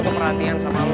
boy kali ini banyak abah